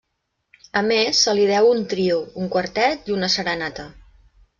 A més se li deu un trio, un quartet i una Serenata.